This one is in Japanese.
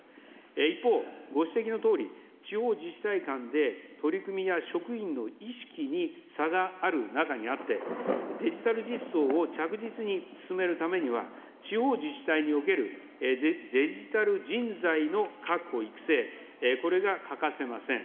一方、ご指摘のとおり、地方自治体間で取り組みや職員の意識に差がある中にあって、デジタル実装を着実に進めるためには、地方自治体におけるデジタル人材の確保・育成、これが欠かせません。